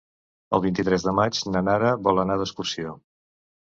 El vint-i-tres de maig na Nara vol anar d'excursió.